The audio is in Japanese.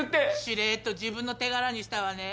しれーっと自分の手柄にしたわね。